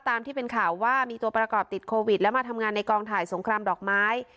ตามที่เป็นข่าวว่ามีตัวประกอบติดโควิดและมาทำงานในกองถ่ายสงครามดอกไม้